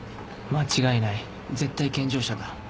間違いない絶対健常者だ